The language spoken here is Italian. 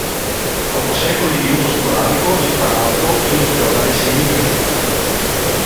Dopo secoli di uso sporadico il parato iniziò a dare segni di usura.